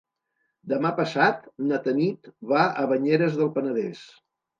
Demà passat na Tanit va a Banyeres del Penedès.